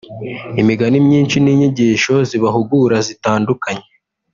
imigani myinshi n’inyigisho zibahugura zitandukanye